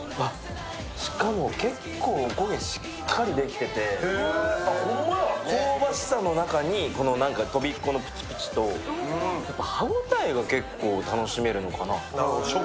しかも結構お焦げしっかりできてて香ばしさの中にとびこのプチプチとこれめっちゃうまいっすわ。